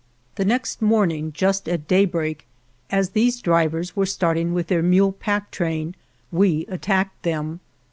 The next morning just at daybreak, as these drivers were starting with their mule pack train, we attacked them.